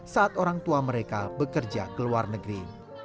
saat orang tua mereka bekerja ke luar negeri